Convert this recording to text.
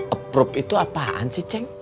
approve itu apaan sih ceng